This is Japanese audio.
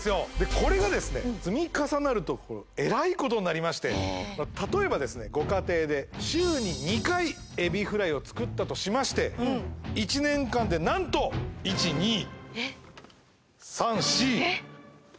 これがですね積み重なるとえらいことになりまして例えばですねご家庭で週に２回エビフライを作ったとしまして１年間でなんと１２えっ３４えっ？